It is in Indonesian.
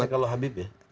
konseksi kalau habib ya